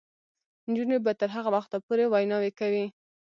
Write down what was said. نجونې به تر هغه وخته پورې ویناوې کوي.